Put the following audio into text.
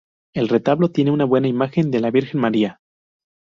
El retablo tiene una buena imagen de la Virgen María.